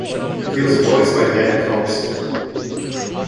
He was voiced by Len Carlson.